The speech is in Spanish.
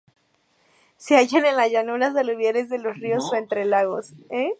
Se hallan en las llanuras aluviales de los ríos o entre lagos.